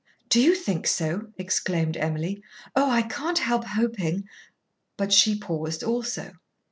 "Do you think so?" exclaimed Emily. "Oh, I can't help hoping " But she paused also.